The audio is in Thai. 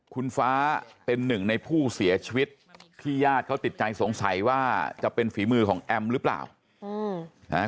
คุณฟ้าเป็นหนึ่งในผู้เสียชีวิตที่ญาติเขาติดใจสงสัยว่าจะเป็นฝีมือของแอมหรือเปล่า